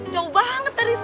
jauh banget dari sini